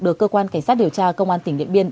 được cơ quan cảnh sát điều tra công an tỉnh điện biên